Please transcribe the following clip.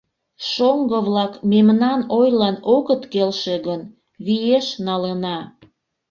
Шоҥго-влак мемнан ойлан огыт келше гын, виеш налына!..